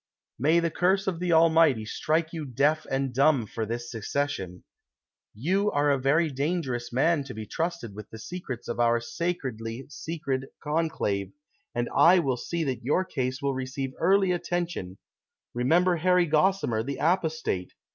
"]May the curse of the Almighty strike you deaf and dumb for tliis secession ! You are a very dangerous man to be trusted with the secrets of our sacredly secret con clave, and I will see that your case will receive early atten tion ; remember Harry Gossimer, the apostate